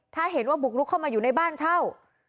ถ้าเห็นว่าบุกลุกเข้ามาอยู่ในบ้านเช่า